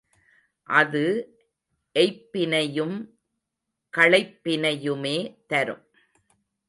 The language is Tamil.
அது எய்ப்பினையும் களைப்பினையுமே தரும்.